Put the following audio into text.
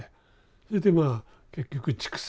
それでまあ結局畜産。